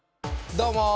どうも！